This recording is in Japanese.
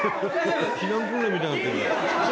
避難訓練みたいになってる。